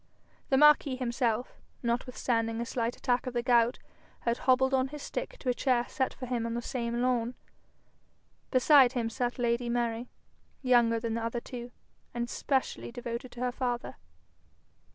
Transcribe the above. The marquis himself, notwithstanding a slight attack of the gout, had hobbled on his stick to a chair set for him on the same lawn. Beside him sat lady Mary, younger than the other two, and specially devoted to her father.